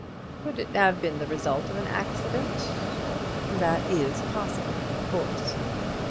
"Could it have been the result of an accident?" "That is possible, of course."